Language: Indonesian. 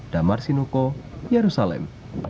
damar sinuko yerusalem